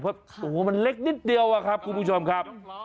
โอ้โฮมันเล็กนิดเดียวครับคุณผู้ชมครับ